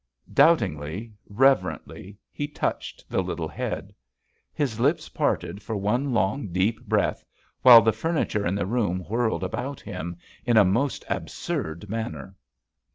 Doubtingly, reverently he touched the little head. His lips parted for one long, deep breath, while the furniture in the room whirled about him in a most absurd manner.